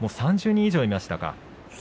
３０人以上をいましたか。